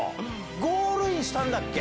ゴールインしたんだっけ？